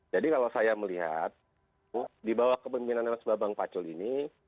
jadi kalau saya melihat di bawah kepemimpinan mas bambang pacul ini